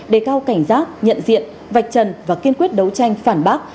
để cao cảnh giác nhận diện vạch trần và kiên quyết đấu tranh phản bác